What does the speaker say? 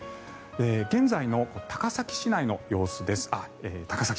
現在の高崎市内の様子です。